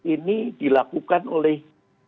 ini dilakukan oleh